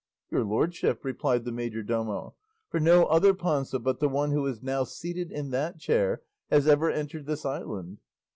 "Your lordship," replied the majordomo; "for no other Panza but the one who is now seated in that chair has ever entered this island."